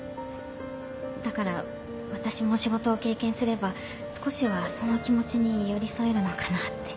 だから私も仕事を経験すれば少しはその気持ちに寄り添えるのかなって。